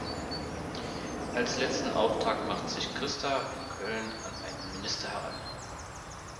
Als letzten Auftrag macht sich Christa in Köln an einen Minister heran.